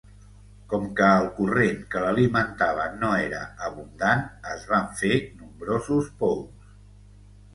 Com que el corrent que l'alimentava no era abundant, es van fer nombrosos pous.